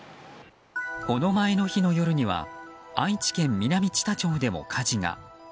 この前の日の夜には愛知県南知多町でも火事が。